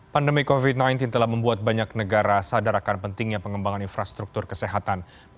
pandemi covid sembilan belas telah membuat banyak negara sadar akan pentingnya pengembangan infrastruktur kesehatan